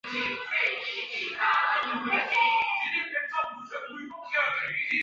天主教巴瑟斯特教区是澳大利亚一个罗马天主教教区。